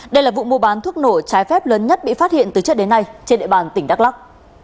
đây là vụ mua bán thuốc nổ trái phép lớn nhất bị phát hiện từ trước đến nay trên địa bàn tỉnh đắk lắc